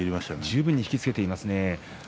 十分に引き付けていますね。